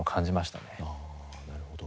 なるほど。